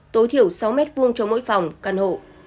tối thiểu sáu m hai cho mỗi phòng căn hộ